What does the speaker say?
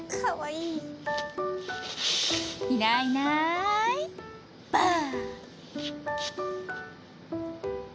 いないいない、ばあ。